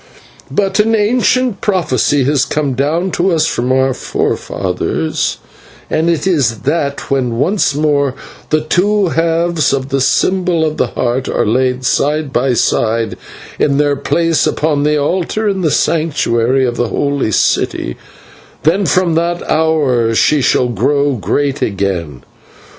"But an ancient prophecy has come to us from our forefathers, and it is, that when once more the two halves of the symbol of the Heart are laid side by side in their place upon the altar in the Sanctuary of the holy city, then from that hour she shall grow great again.